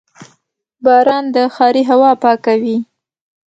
• باران د ښاري هوا پاکوي.